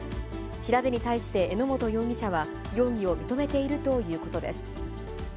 調べに対して榎本容疑者は、容疑を認めているということです。